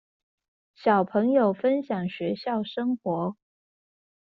小朋友分享學校生活